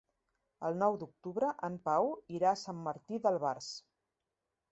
El nou d'octubre en Pau irà a Sant Martí d'Albars.